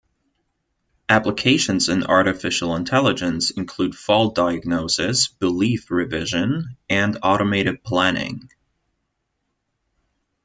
Applications in artificial intelligence include fault diagnosis, belief revision, and automated planning.